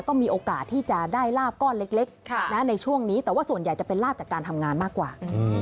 ก็มีโอกาสที่จะได้ลาบก้อนเล็กในช่วงนี้แต่ว่าส่วนใหญ่จะเป็นลาบจากการทำงานมากกว่า